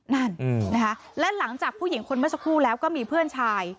นั่นนะคะและหลังจากผู้หญิงคนเมื่อสักครู่แล้วก็มีเพื่อนชาย